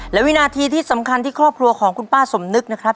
และวินาทีที่สำคัญที่ครอบครัวของคุณป้าสมนึกนะครับ